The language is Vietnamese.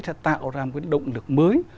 sẽ tạo ra một cái động lực mới